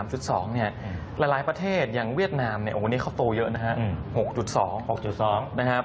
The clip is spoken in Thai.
หลายประเทศอย่างเวียดนามโอนี่เขาโตเยอะนะนฮะ๖๒